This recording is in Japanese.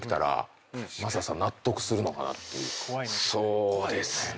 そうですね。